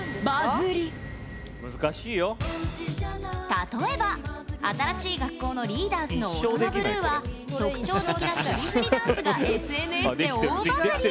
例えば新しい学校のリーダーズの「オトナブルー」は特徴的な首振りダンスがＳＮＳで大バズり！